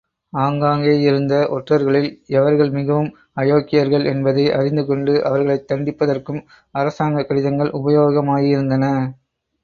ஆங்காங்கேயிருந்த ஒற்றர்களில் எவர்கள் மிகவும் அயோக்கியர்கள் என்பதை அறிந்து கொண்டு அவர்களைத் தண்டிப்பதற்கும் அரசாங்க கடிதங்கள் உபயோகமாயிருந்தன.